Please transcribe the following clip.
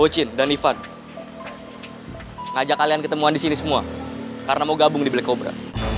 gua bocin dan ivan ngajak kalian ketemuan disini semua karena mau gabung di black cobra